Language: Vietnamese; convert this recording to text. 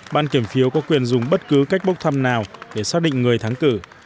ban kiểm phiếu có quyền dùng bất cứ cách bốc thăm nào để xác định người thắng cử